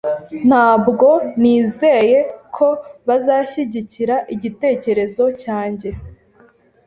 Ntabwo nizeye ko bazashyigikira igitekerezo cyanjye .